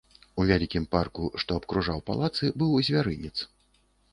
У вялікім парку, што абкружаў палацы, быў звярынец.